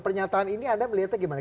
pernyataan ini anda melihatnya gimana